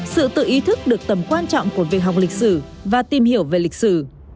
sự tự ý thức được tầm quan trọng của việc học lịch sử và tìm hiểu về lịch sử